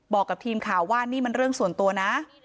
บอกกับทีมข่าวว่านี่มันเรื่องส่วนตัวนะ